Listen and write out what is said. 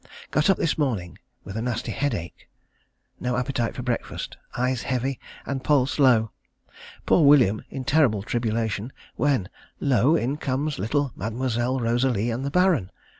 Got up this morning with a nasty headache. No appetite for breakfast. Eyes heavy, and pulse low. Poor William in terrible tribulation, when lo! in comes little Mademoiselle Rosalie and the Baron.